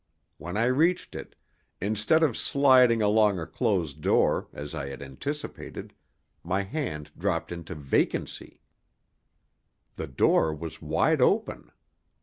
When I reached it, instead of sliding along a closed door, as I had anticipated, my hand dropped into vacancy. The door was wide open.